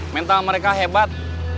mental mereka hebat